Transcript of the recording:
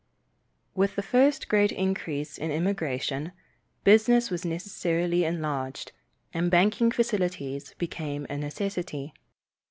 With the first great increase in immigration business was necessarily enlarged, and banking facilities became a necessity.